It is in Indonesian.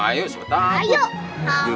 ayo sebutan aku